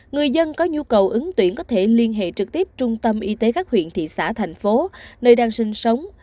người dân có nhu cầu ứng tuyển có thể liên hệ trực tiếp trung tâm y tế các huyện thị xã thành phố nơi đang sinh sống